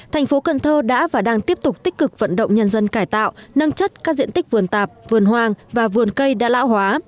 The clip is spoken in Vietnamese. thành phố cần thơ đã và đang tiếp tục tích cực vận động nhân dân cải tạo nâng chất các diện tích vườn tạp vườn hoa và vườn cây đa lão hóa